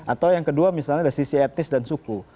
atau yang kedua misalnya dari sisi etnis dan suku